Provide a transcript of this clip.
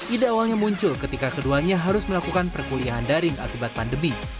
ide awalnya muncul ketika keduanya harus melakukan perkuliahan daring akibat pandemi